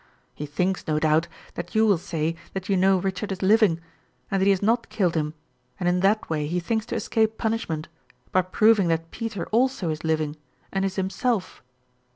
He thinks, no doubt, that you will say that you know Richard is living, and that he has not killed him, and in that way he thinks to escape punishment, by proving that Peter also is living, and is himself.